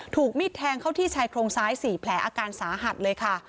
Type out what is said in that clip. มิดแทงเข้าที่ชายโครงซ้าย๔แผลอาการสาหัสเลยค่ะ